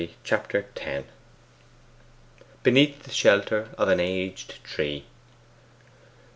Chapter X 'Beneath the shelter of an aged tree.